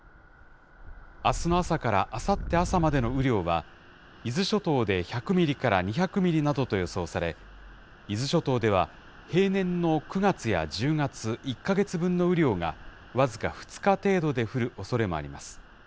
あすの朝からあさって朝までの雨量は、伊豆諸島で１００ミリから２００ミリなどと予想され、伊豆諸島では平年の９月や１０月１か月分の雨量が僅か２日程度で降るおそれもあります。